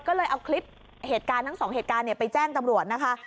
ก็เลยเอาคลิปเหตุการณ์ทั้งสองเหตุการณ์ไปแจ้งตำรวจนะคะ